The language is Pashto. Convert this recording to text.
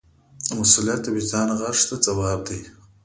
مسؤلیت د وجدان غږ ته ځواب دی.